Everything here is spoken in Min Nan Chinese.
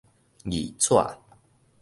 字紙